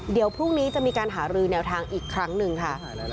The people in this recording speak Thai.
เดี๋ยวพรุ่งนี้จะมีการหารือแนวทางอีกครั้งหนึ่งค่ะ